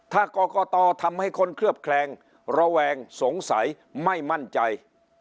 ถ้ากรกตทำให้คนเคลือบแคลงระแวงสงสัยไม่มั่นใจ